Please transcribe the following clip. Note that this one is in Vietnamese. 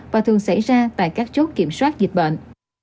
và thường xảy ra tại các chốt kiểm soát dịch bệnh